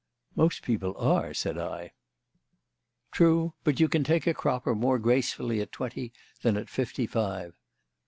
"Most people are," said I. "True; but you can take a cropper more gracefully at twenty than at fifty five.